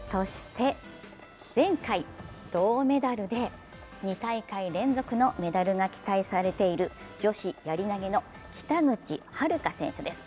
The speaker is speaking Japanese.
前回、銅メダルで２大会連続のメダルが期待されている女子やり投げの北口榛花選手です。